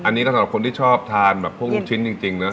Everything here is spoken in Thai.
อันนี้สำหรับคนที่ชอบทานแบบพวกลูกชิ้นจริงนะ